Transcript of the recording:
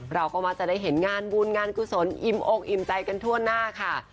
เราก็มักจะได้เห็นงานบุญงานกุศลอิ่มอกอิ่มใจกันทั่วหน้าค่ะ